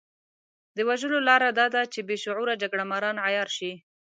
د وژلو لاره دا ده چې بې شعوره جګړه ماران عيار شي.